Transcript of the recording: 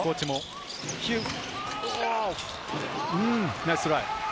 ナイストライ！